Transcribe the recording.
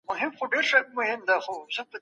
مطالعه د انسان پر پوهي ژور اغېز لري.